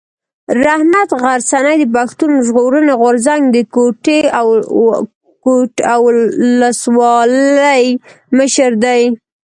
رحمت غرڅنی د پښتون ژغورني غورځنګ د کوټي اولسوالۍ مشر دی.